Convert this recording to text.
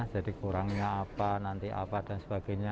jadi kurangnya apa nanti apa dan sebagainya